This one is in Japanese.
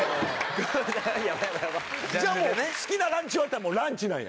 じゃあもう好きなランチは？って言ったら「ランチ」なんや。